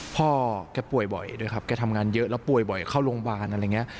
พ่อแกป่วยบ่อยด้วยครับแกทำงานเยอะแล้วป่วยบ่อยเข้าโรงพยาบาลอะไรอย่างนี้